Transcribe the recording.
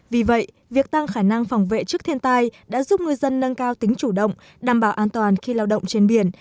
vì vậy việc tăng khả năng phòng vệ trước thiên tai đã giúp ngư dân nâng cao tính chủ động đảm bảo an toàn khi lao động trên biển